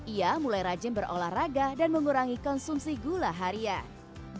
ia mulai rajin berolahraga dan mengurangi konsumsi gula harian